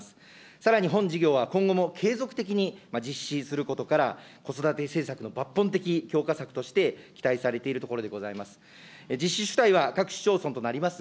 さらに本事業は今後も継続的に実施することから、子育て政策の抜本的強化策として、期待されているところでございます。